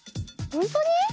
ほんとに？